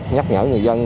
nhắc nhở người dân